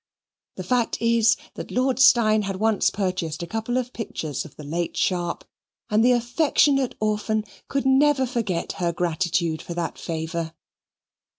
The fact is that Lord Steyne had once purchased a couple of pictures of the late Sharp, and the affectionate orphan could never forget her gratitude for that favour.